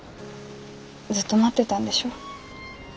ずっと待ってたんでしょ？